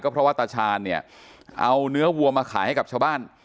เพราะว่าตาชาญเนี่ยเอาเนื้อวัวมาขายให้กับชาวบ้าน